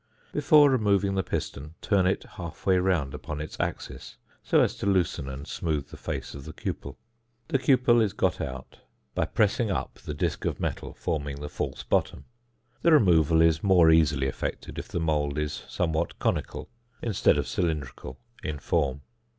Before removing the piston, turn it half way round upon its axis so as to loosen and smooth the face of the cupel. The cupel is got out by pressing up the disc of metal forming the false bottom; the removal is more easily effected if the mould is somewhat conical, instead of cylindrical, in form.